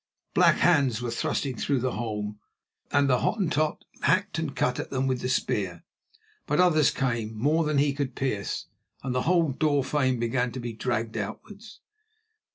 Black hands were thrust through the hole, and the Hottentot hacked and cut at them with the spear. But others came, more than he could pierce, and the whole door frame began to be dragged outwards.